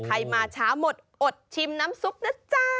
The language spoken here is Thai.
มาเช้าหมดอดชิมน้ำซุปนะจ๊ะ